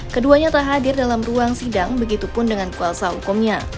keduanya tak hadir dalam ruang sidang begitu pun dengan kualsa hukumnya